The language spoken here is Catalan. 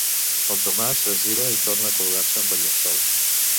El Tomàs es gira i torna a colgar-se amb el llençol.